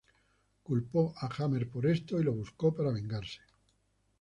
Culpó a Hammer por esto, y lo buscó para vengarse.